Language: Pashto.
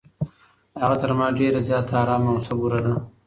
هغه تر ما ډېره زیاته ارامه او صبوره ده.